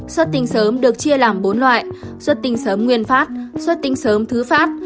xuất tinh sớm được chia làm bốn loại xuất tinh sớm nguyên phát xuất tinh sớm thứ phát